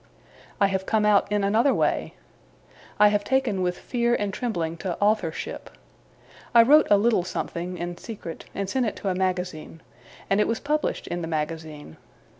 I have come out in another way. I have taken with fear and trembling to authorship. I wrote a little something, in secret, and sent it to a magazine, and it was published in the magazine.